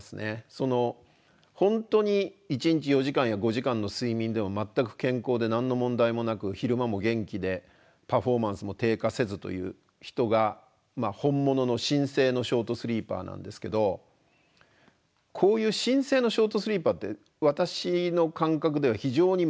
本当に一日４時間や５時間の睡眠でも全く健康で何の問題もなく昼間も元気でパフォーマンスも低下せずという人が本物の真性のショートスリーパーなんですけどこういう真性のショートスリーパーって私の感覚では非常にまれです。